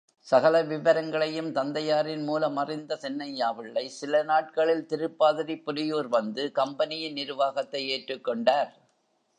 சகல விவரங்களையும் தந்தையாரின் மூலம் அறிந்த சின்னையாபிள்ளை சில நாட்களில் திருப்பாதிரிப்புலியூர் வந்து கம்பெனியின் நிருவாகத்தை ஏற்றுக் கொண்டார்.